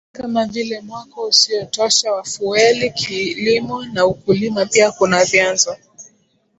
kama vile mwako usiotosha wa fueli kilimo na ukulima Pia kuna vyanzo